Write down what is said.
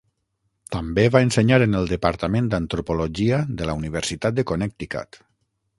També va ensenyar en el departament d'Antropologia de la Universitat de Connecticut.